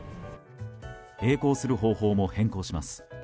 曳航する方法も変更します。